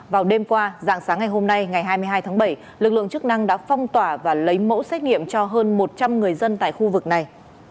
vào đêm qua dạng sáng ngày hôm nay ngày hai mươi hai tháng bảy lực lượng chức năng đã phong tỏa và lấy mẫu xét nghiệm cho hơn một trăm linh người dân tại khu vực này